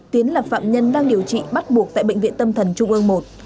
tiến là phạm nhân đang điều trị bắt buộc tại bệnh viện tâm thần trung ương một